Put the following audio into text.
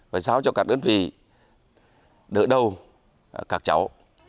và sao cho các đơn vị đỡ đầu các cháu